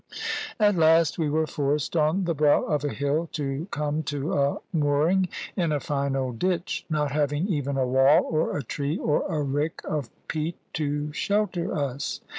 At last we were forced, on the brow of a hill, to come to a mooring in a fine old ditch, not having even a wall, or a tree, or a rick of peat to shelter us.